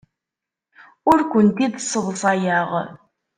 Ur kent-id-sseḍsayeɣ.